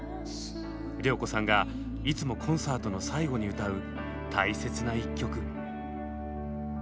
良子さんがいつもコンサートの最後に歌う大切な１曲。